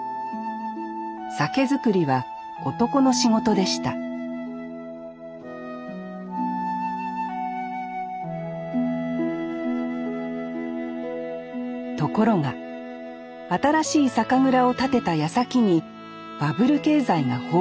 酒造りは男の仕事でしたところが新しい酒蔵を建てたやさきにバブル経済が崩壊。